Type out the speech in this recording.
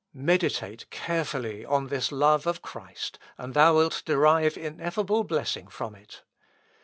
Meditate carefully on this love of Christ, and thou wilt derive ineffable blessing from it.